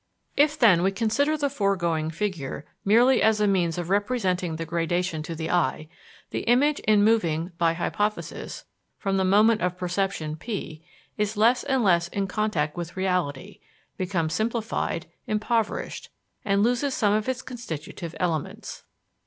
If, then, we consider the foregoing figure merely as a means of representing the gradation to the eye, the image in moving, by hypothesis, from the moment of perception, P, is less and less in contact with reality, becomes simplified, impoverished, and loses some of its constitutive elements.